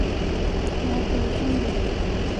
辽国军人。